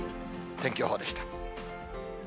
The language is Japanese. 天気予報でした。